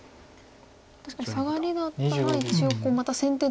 確かにサガリだったら一応また先手で。